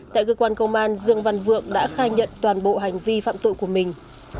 tại cơ quan công an dương văn vượng đã khai nhận toàn bộ hành vi phạm tội của mình